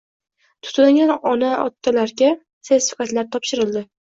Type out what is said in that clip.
Tutingan ota-onalarga sertifikatlar topshirildi